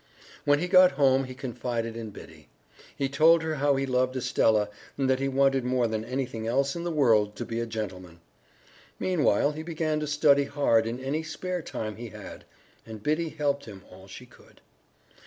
When he got home he confided in Biddy. He told her how he loved Estella, and that he wanted more than anything else in the world to be a gentleman. Meanwhile he began to study hard in any spare time he had, and Biddy helped him all she could.